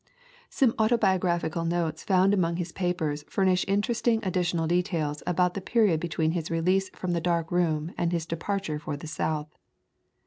Some autobiographical notes found among his papers furnish interesting additional de tails about the period between his release from the dark room and his departure for the South.